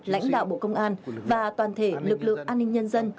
lãnh đạo bộ công an và toàn thể lực lượng an ninh nhân dân